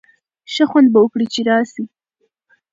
ښه خوند به وکړي چي راسی.